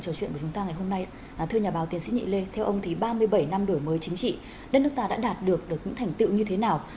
hôm nay thưa nhà báo tiến sĩ nhị lê theo ông thì ba mươi bảy năm đổi mới chính trị đất nước ta đã đạt được những thành tựu như thế nào